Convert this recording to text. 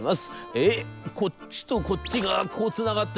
『えっこっちとこっちがこうつながって。